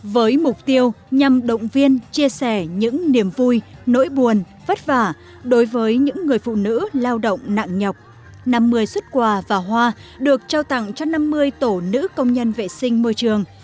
với mục tiêu nhằm động viên chia sẻ những niềm vui nỗi buồn vất vả đối với những người phụ nữ lao động nặng nhọc năm mươi xuất quà và hoa được trao tặng cho năm mươi tổ nữ công nhân vệ sinh môi trường